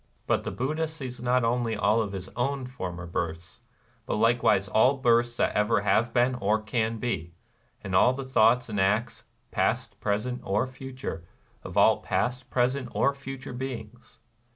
But the Buddha sees not only all of his own for mer births, but likewise all births that ever have been or can be, — and all the thoughts and acts, past, present, or future, of all past, present, or future beings.